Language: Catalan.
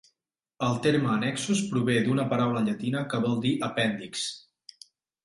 El terme annexos prové d'una paraula llatina que vol dir apèndixs.